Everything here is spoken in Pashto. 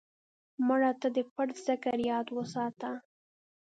مړه ته د پټ ذکر یاد وساته